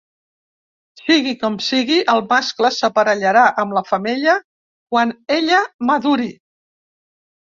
Sigui com sigui, el mascle s'aparellarà amb la femella quan ella maduri.